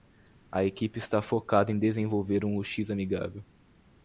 A equipe está focada em desenvolver um UX amigável.